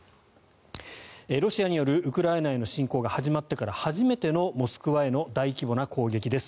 ロシアによるウクライナへの侵攻が始まってから初めてのモスクワへの大規模な攻撃です。